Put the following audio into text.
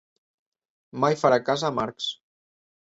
Mai farà casa amb arcs.